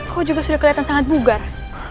kok juga sudah kelihatan sangat bugar